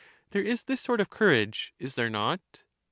There is this sort of courage, is there not?